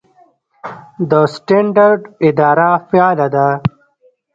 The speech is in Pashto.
د سټنډرډ اداره فعاله ده؟